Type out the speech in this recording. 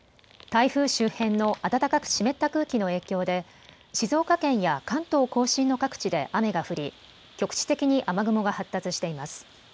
台風周辺の暖かく湿った空気の影響で静岡県や関東甲信の各地で雨が降り局地的に雨雲が発達しています。